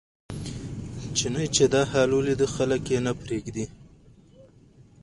چیني چې دا حال ولیده خلک یې نه پرېږدي.